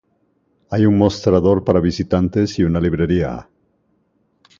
Hay un mostrador para visitantes y una librería.